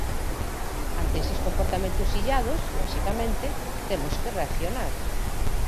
Ante eses comportamentos illados, loxicamente, temos que reaccionar.